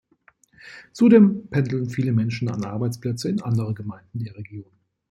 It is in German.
Zudem pendeln viele Menschen an Arbeitsplätze in anderen Gemeinden der Region.